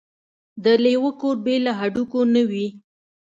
د لېوه کور بې له هډوکو نه وي.